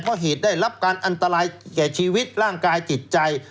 เพราะเหตุได้รับการอันตรายแก่ชีวิตร่างกายจิตใจ